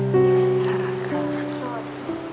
สวัสดีครับ